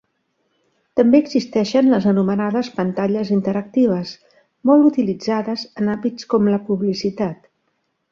També existeixen les anomenades pantalles interactives, molt utilitzades en àmbits com la publicitat.